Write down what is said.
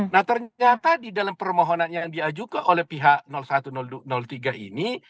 nah ternyata di dalam permohonan yang diajukan oleh pihak satu tiga ini